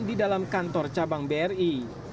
di dalam kantor cabang bri